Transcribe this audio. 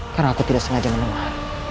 karena aku tidak sengaja menemah